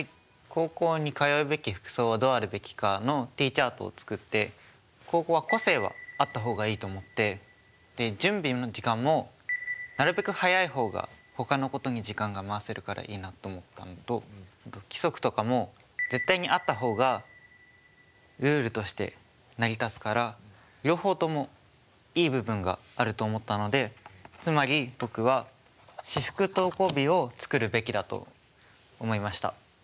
高校に通うべき服装はどうあるべきかのＴチャートを作って高校は個性はあった方がいいと思って準備の時間もなるべく早い方が他のことに時間が回せるからいいなと思ったのと規則とかも絶対にあった方がルールとして成り立つから両方ともいい部分があると思ったのでつまり僕は私服登校日を作るべきだと思いました。